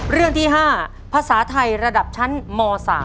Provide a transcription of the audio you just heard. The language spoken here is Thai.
เรื่องที่๕ภาษาไทยระดับชั้นม๓